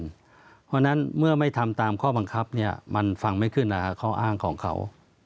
เพราะฉะนั้นเมื่อไม่ทำตามข้อบังคับมันฟังไม่ขึ้นข้ออ้างของเขา